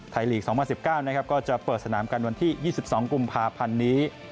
ลีก๒๐๑๙นะครับก็จะเปิดสนามกันวันที่๒๒กุมภาพันธ์นี้